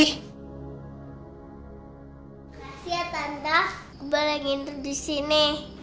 makasih ya tante gue lagi inter disini